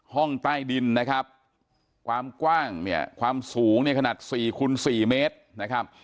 ห้องใต้ดินนะครับความกว้างเนี่ยความสูงเนี่ยขนาด๔คูณ๔เมตรนะครับ